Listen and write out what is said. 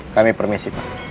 kami permisi pak